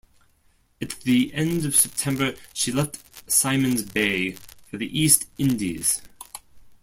At the end of September she left Simon's Bay for the East Indies.